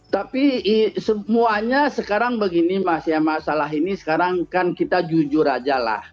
tapi semuanya sekarang begini mas ya masalah ini sekarang kan kita jujur aja lah